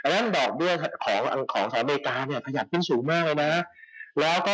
ดอกเบี้ยของสอนอเมริกากดขยับขึ้นสูงมากเลยนะ